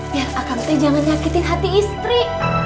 biar akang jangan nyakitin hati istri